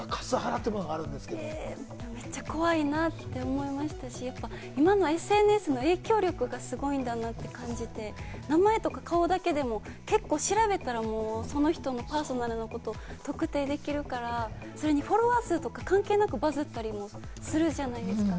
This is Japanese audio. めっちゃ怖いなって思いましたし、今のＳＮＳの影響力がすごいんだなって感じて、名前とか顔だけでも結構調べたら、その人のパーソナルなことを特定できるから、それにフォロワー数とか関係なくバズったりもするじゃないですか。